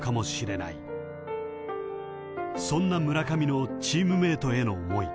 ［そんな村上のチームメートへの思い